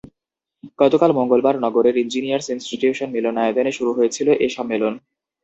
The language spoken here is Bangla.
গতকাল মঙ্গলবার নগরের ইঞ্জিনিয়ার্স ইনস্টিটিউশন মিলনায়তনে শুরু হয়েছিল এ সম্মেলন।